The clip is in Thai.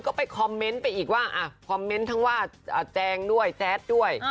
ก็ไปคอมเมนต์ไปอีกว่าคอมเมนต์ทั้งว่าแจงด้วยแจ๊ดด้วย